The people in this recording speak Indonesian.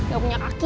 gak punya kaki